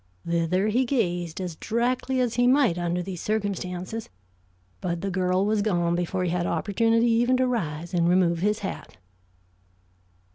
Thither he gazed as directly as he might under these circumstances, but the girl was gone before he had opportunity even to rise and remove his hat.